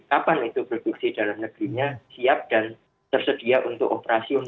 kapan itu produksi dalam negerinya siap dan tersedia untuk operasional